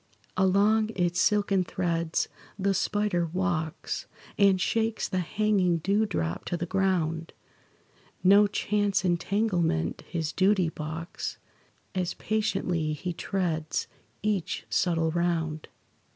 Along its silken threads the spider walks, And shakes the hanging dew drop to the ground; No chance entanglement his duty balks, As patiently he treads each subtle round.